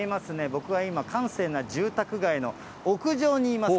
僕は今、閑静な住宅街の屋上にいます。